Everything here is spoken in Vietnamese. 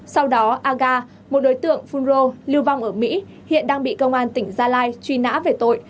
sau đó aga một đối tượng phun rô lưu vong ở mỹ hiện đang bị công an tỉnh gia lai truy nã về tội